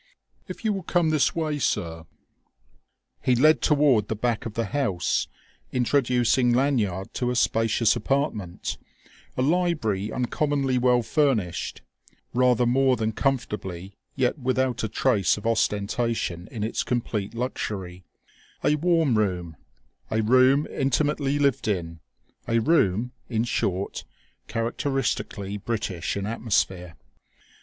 "If you will come this way, sir...." He led toward the back of the house, introducing Lanyard to a spacious apartment, a library uncommonly well furnished, rather more than comfortably yet without a trace of ostentation in its complete luxury, a warm room, a room intimately lived in, a room, in short, characteristically British in atmosphere.